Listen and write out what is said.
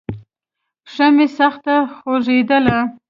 پښه مې سخته خوږېدله.